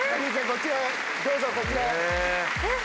こちらへどうぞこちらへ。